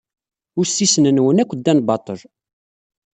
Ussisen-nwen akk ddan baṭel.